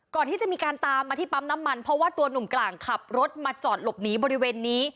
ก่อนที่จะมีการตามมาที่ปั๊มน้ำมันเพราะว่าตัวหนุ่มกลางขับรถมาจอดหลบหนีบริเวณนี้